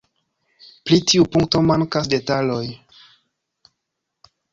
Pri tiu punkto mankas detaloj.